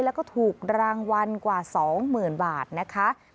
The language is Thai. แล้วก็ถูกรางวัลกว่า๒๐๐๐บาทนะคะ